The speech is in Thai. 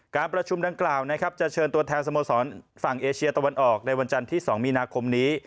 การประชุมดังกล่าวนะครับจะเชิญตัวแทนสโมสรฝั่งเอเชียตะวันออกในวันจันทร์ที่๒มีนาคมนี้